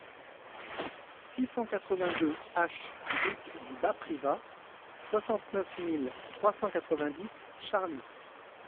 six cent quatre-vingt-deux H route du Bas Privas, soixante-neuf mille trois cent quatre-vingt-dix Charly